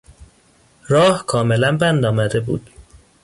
راه کاملا بند آمده بود.